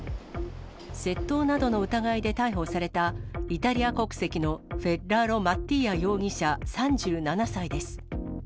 窃盗などの疑いで逮捕されたイタリア国籍のフェッラーロ・マッティーア容疑者３７歳です。